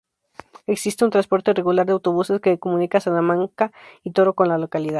Existe un transporte regular de autobuses que comunica Salamanca y Toro con la localidad.